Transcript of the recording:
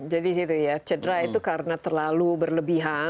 jadi cedera itu karena terlalu berlebihan